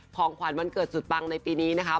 ของขวัญวันเกิดสุดปังในปีนี้นะคะ